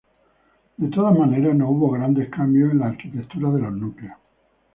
De todas maneras, no hubo grandes cambios en las arquitecturas de los núcleos.